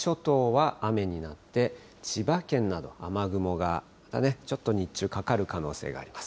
伊豆諸島は雨になって、千葉県など雨雲がまたちょっと日中、かかる可能性があります。